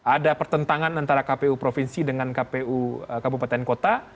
ada pertentangan antara kpu provinsi dengan kpu kabupaten kota